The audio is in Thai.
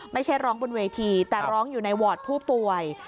ไม่ใช่ร้องบนเวทีแต่ร้องอยู่ในวอร์ดผู้ป่วย